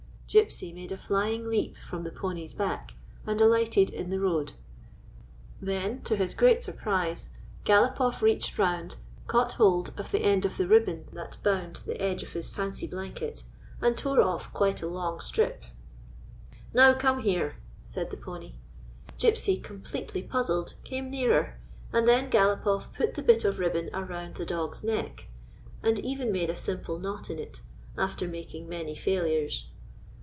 Gypsy made a flying leap from the pony's back and alighted in the road. Then, to his 114 OUT INTO THE BIG WORLD great surprise, Galopoff readied around, cauglit hold of the end of the ribbon that bound the edge of his fancy blanket and tore off quite a long strip. " Now, come here/' said the pony. Gypsy, completely jmzzled, came nearer, and then Galopoff put the bit of ribbon around the dog's neck, and even made a simple knot in it, after making many failures.